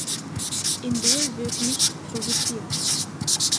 Indol wird nicht produziert.